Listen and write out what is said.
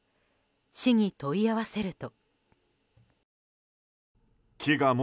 市に問い合わせると。